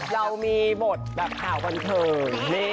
เรามีบทแบบข้าวกันเตอร์